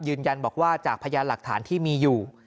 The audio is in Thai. ยืนยันบอกว่าจากพยานหลักฐานที่มีอยู่